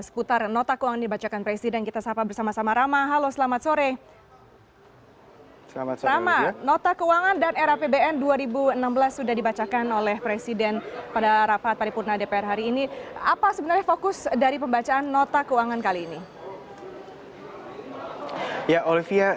kita akan berbicara dengan rapbn dua ribu enam belas di gen raya